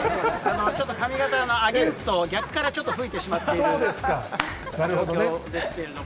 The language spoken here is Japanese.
ちょっと髪形アゲンスト、逆からちょっと拭いてしまっている状況ですけれども。